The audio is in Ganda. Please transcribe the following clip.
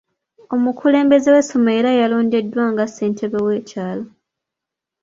Omukulembeze w'essomero era yalondeddwa nga ssentebe w'ekyalo.